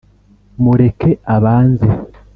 mureke abanze,